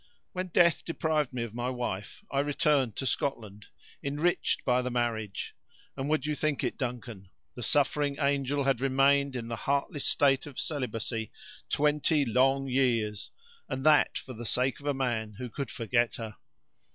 When death deprived me of my wife I returned to Scotland, enriched by the marriage; and, would you think it, Duncan! the suffering angel had remained in the heartless state of celibacy twenty long years, and that for the sake of a man who could forget her!